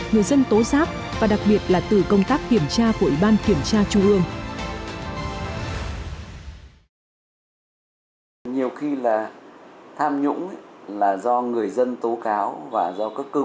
người dân tố giáp và đặc biệt là từ công tác kiểm tra của ủy ban kiểm tra trung ương